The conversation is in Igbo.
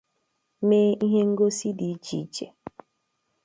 mee ihe ngosi dị iche iche